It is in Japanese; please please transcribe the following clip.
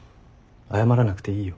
謝らなくていいよ。